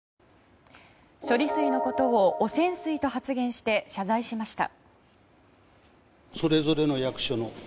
処理水のことを汚染水と発言して謝罪しました。